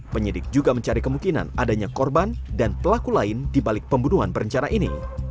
penyidik juga mencari kemungkinan adanya korban dan pelaku lain dibalik pembunuhan berencana ini